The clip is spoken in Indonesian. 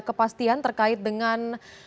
kepastian terkait dengan